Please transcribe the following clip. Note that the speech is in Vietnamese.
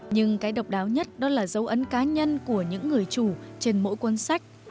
nhưng cái độc đáo nhất đó là dấu ấn cá nhân của những người chủ trên mỗi cuốn sách